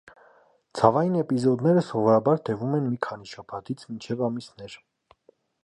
Ցավային էպիզոդները սովորաբար տևում են մի քանի շաբաթից մինչև ամիսներ։